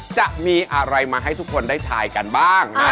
จะมีอะไรมาให้ทุกคนได้ทายกันบ้าง